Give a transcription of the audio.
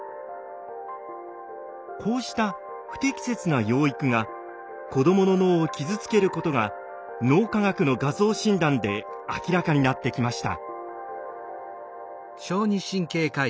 こうした不適切な養育が子どもの脳を傷つけることが脳科学の画像診断で明らかになってきました。